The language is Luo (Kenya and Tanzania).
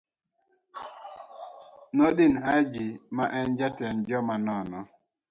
Nordin Hajji, ma en jatend joma nono